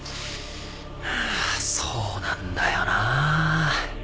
そうなんだよな。